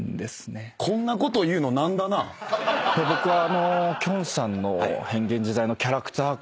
僕は。